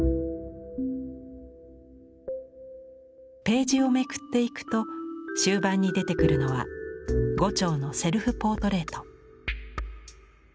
ページをめくっていくと終盤に出てくるのは牛腸のセルフ・ポートレート。